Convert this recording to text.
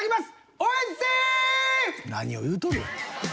何を言うとる。